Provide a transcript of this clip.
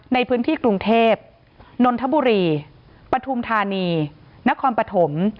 ในพื้นที่กรุงเทพนนทบุรีปฐุมธานีนครปฐม